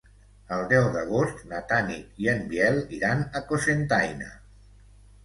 El deu d'agost na Tanit i en Biel iran a Cocentaina.